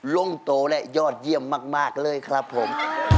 ลงโตและยอดเยี่ยมมากเลยครับผม